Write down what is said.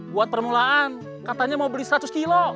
buat permulaan katanya mau beli seratus kilo